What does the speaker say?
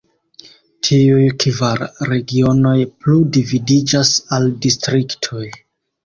Tiuj kvar regionoj plu dividiĝas al distriktoj.